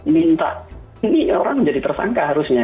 minta ini orang menjadi tersangka harusnya